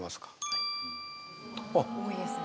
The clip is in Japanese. はい多いですね